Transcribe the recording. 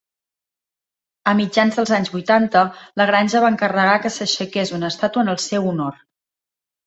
A mitjans dels anys vuitanta, la granja va encarregar que s'aixequés una estàtua en el seu honor.